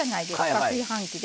炊飯器で。